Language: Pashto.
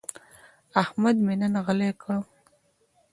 احمد مې نن غلی کړ.